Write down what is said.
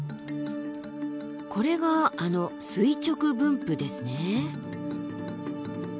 これがあの垂直分布ですね。